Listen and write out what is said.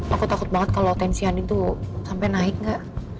aku takut banget kalo tensi anin tuh sampe naik ga